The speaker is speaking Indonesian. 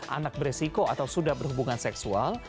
anak beresiko atau sudah berhubungan seksual